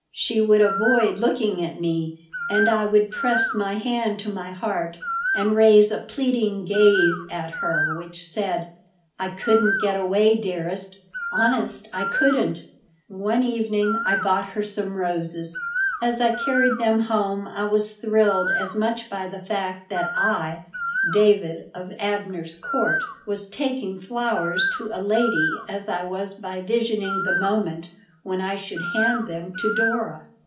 She would avoid looking at me, and I would press my hand to my heart and raise a pleading gaze at her, which said: "I couldn't get away, dearest. Honest, I couldn't." One evening I bought her some roses. As I carried them home I was thrilled as much by the fact that I, David of Abner's Court, was taking flowers to a lady as I was by visioning the moment when I should hand them to Dora.